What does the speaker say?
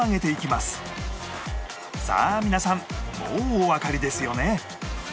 さあ皆さんもうおわかりですよね？